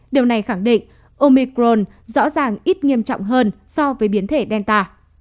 điều này khẳng định omicron rõ ràng ít nghiêm trọng hơn so với biến thể delta